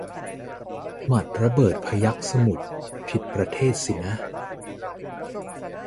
หมัดระเบิดพยัคฆ์สมุทร ผิดประเทศสินะ